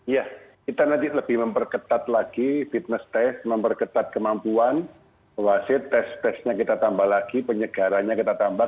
ya kita nanti lebih memperketat lagi fitness test memperketat kemampuan wasit testnya kita tambah lagi penyegarannya kita tambah